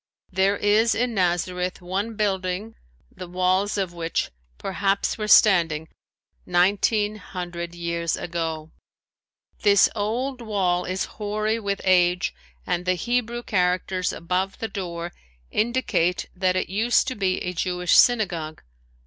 There is in Nazareth one building the walls of which perhaps were standing nineteen hundred years ago. This old wall is hoary with age and the Hebrew characters above the door indicate that it used to be a Jewish synagogue.